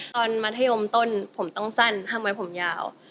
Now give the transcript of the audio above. มัธยมต้นผมต้องสั้นทำไมผมยาว